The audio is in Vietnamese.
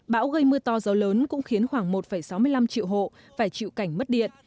bão gây mưa to gió lớn cũng khiến khoảng một sáu mươi năm triệu hộ phải chịu cảnh mất điện